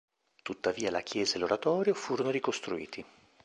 Tuttavia la chiesa e l'oratorio furono ricostruiti.